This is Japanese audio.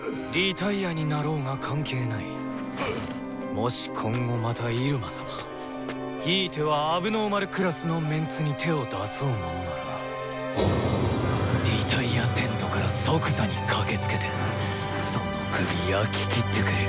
もし今後また入間様ひいては問題児クラスのメンツに手を出そうものなら脱落テントから即座にかけつけてその首焼き切ってくれる。